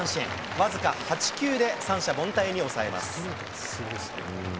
僅か８球で三者凡退に抑えます。